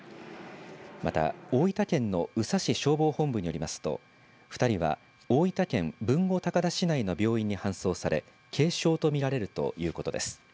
また大分県の宇佐市消防本部によりますと２人は大分県豊後高田市内の病院に搬送され軽傷と見られるということです。